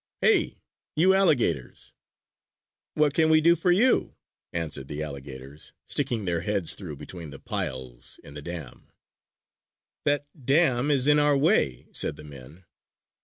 "Hey, you, alligators!" "What can we do for you?" answered the alligators, sticking their heads through between the piles in the dam. "That dam is in our way!" said the men.